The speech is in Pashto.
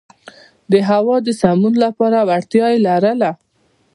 د هوا د سمون لپاره وړتیا یې لرله.